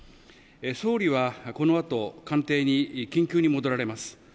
総理はこの後、官邸に緊急に戻られます。